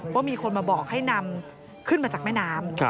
ว่ามีคนมาบอกให้นำขึ้นมาจากแม่น้ำ